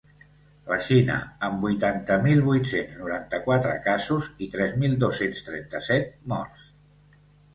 La Xina, amb vuitanta mil vuit-cents noranta-quatre casos i tres mil dos-cents trenta-set morts.